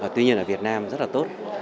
tuy nhiên ở việt nam rất là tốt